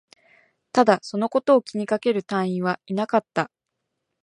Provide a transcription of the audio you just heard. ただ、そのことを気にかける隊員はいなかった